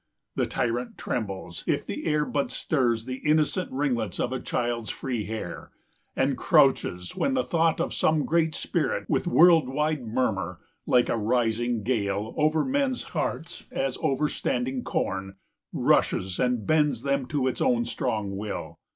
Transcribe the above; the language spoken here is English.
The tyrant trembles, if the air but stirs The innocent ringlets of a child's free hair, And crouches, when the thought of some great spirit, 120 With world wide murmur, like a rising gale, Over men's hearts, as over standing corn, Rushes, and bends them to its own strong will.